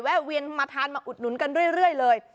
เวียนมาทานมาอุดหนุนกันเรื่อยเลย